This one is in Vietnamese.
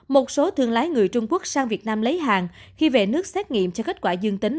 một số thương lái người trung quốc sang việt nam lấy hàng khi về nước xét nghiệm cho kết quả dương tính